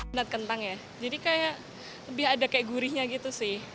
minat kentang ya jadi kayak lebih ada kayak gurihnya gitu sih